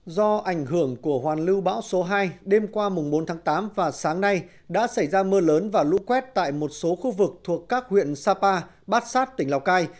do ảnh hưởng của hoàn lưu bão số hai đêm qua bốn tháng tám và sáng nay đã xảy ra mưa lớn và lũ quét tại một số khu vực thuộc các huyện sapa bát sát tỉnh lào cai